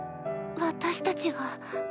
私たちが。